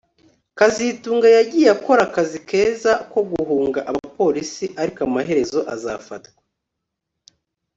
kazitunga yagiye akora akazi keza ko guhunga abapolisi ariko amaherezo azafatwa